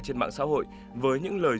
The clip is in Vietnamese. trên mạng xã hội với những lời